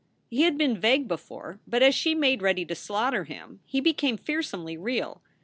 He had been vague before, but as she made ready to slaughter him he became fearsomely real.